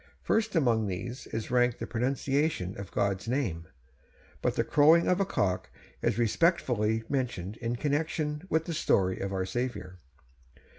First among these is ranked the pronunciation of God's name; but the crowing of a cock is respectfully mentioned, in connection with the story of our Saviour.